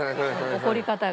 怒り方が。